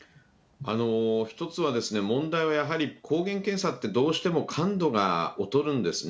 一つは、問題はやはり、抗原検査ってどうしても感度が劣るんですね。